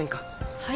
はい？